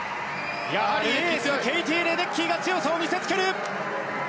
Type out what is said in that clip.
やはりケイティ・レデッキーが強さを見せつける！